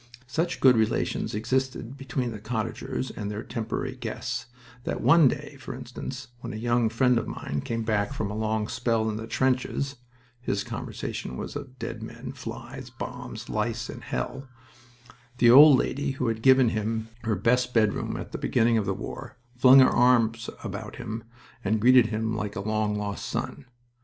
Such good relations existed between the cottagers and their temporary guests that one day, for instance, when a young friend of mine came back from a long spell in the trenches (his conversation was of dead men, flies, bombs, lice, and hell), the old lady who had given him her best bedroom at the beginning of the war flung her arms about him and greeted him like a long lost son.